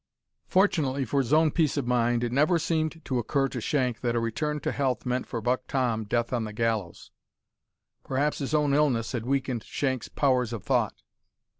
Fortunately for his own peace of mind, it never seemed to occur to Shank that a return to health meant for Buck Tom, death on the gallows. Perhaps his own illness had weakened Shank's powers of thought.